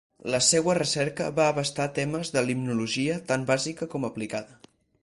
La seua recerca va abastar temes de limnologia, tant bàsica com aplicada.